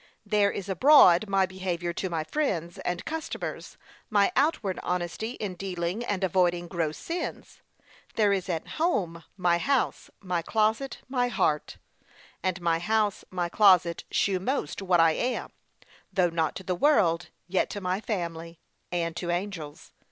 There is abroad, my behaviour to my friends, and customers, my outward honesty in dealing and avoiding gross sins. There is at home, my house, my closet, my heart; and my house, my closet, shew most what I am: though not to the world, yet to my family, and to angels.